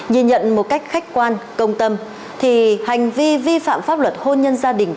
nhìn nhận một cách khách quan công tâm thì hành vi vi phạm pháp luật hôn nhân gia đình